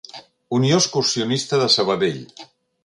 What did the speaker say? Unió Excursionista de Sabadell.